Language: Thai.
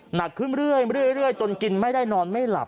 หนักขึ้นเรื่อยจนกินไม่ได้นอนไม่หลับ